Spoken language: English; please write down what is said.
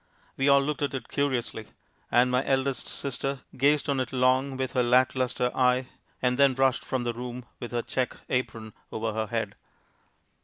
We all looked at it curiously, and my eldest sister gazed on it long with lack luster eye and then rushed from the room with her check apron over her head.